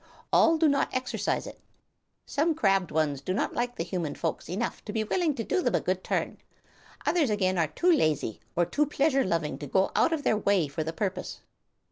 All do not exercise it. Some crabbed ones do not like the human folk enough to be willing to do them a good turn, others again are too lazy or too pleasure loving to go out of their way for the purpose.